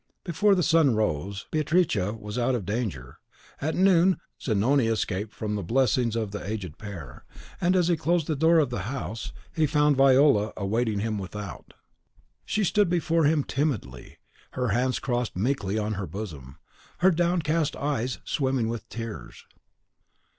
Before the sun rose, Beatrice was out of danger; at noon Zanoni escaped from the blessings of the aged pair, and as he closed the door of the house, he found Viola awaiting him without. She stood before him timidly, her hands crossed meekly on her bosom, her downcast eyes swimming with tears.